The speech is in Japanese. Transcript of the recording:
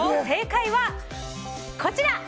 正解は、こちら！